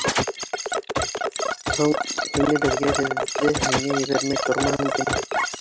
Һуң һине беҙгә, беҙҙе һиңә ебәрмәй тормаһын, тим.